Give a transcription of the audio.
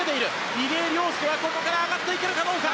入江陵介はここから上がっていけるかどうか。